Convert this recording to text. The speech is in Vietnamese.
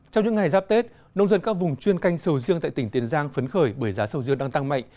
trong những ngày giáp tết nông dân các vùng chuyên canh sầu riêng tại tỉnh tiền giang phấn khởi bởi giá sầu riêng đang tăng mạnh